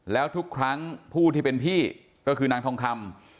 แล้วทุกครั้งผู้ที่เป็นพี่ก็คือนางทองคำ